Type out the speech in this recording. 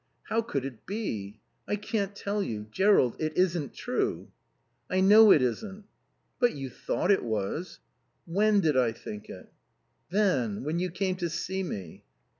"How could it be?" "I can't tell you...Jerrold, it isn't true." "I know it isn't." "But you thought it was." "When did I think?" "Then; when you came to see me."